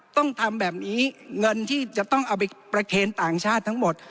ต้องทำแบบนี้เงินที่จะต้องเอาไปประเคนต่างชาติทั้งหมด